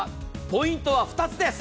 ポイントは２つです。